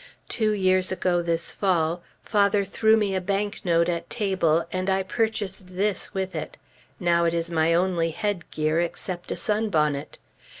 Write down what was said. Two years ago this fall, father threw me a banknote at table, and I purchased this with it. Now it is my only headgear, except a sunbonnet.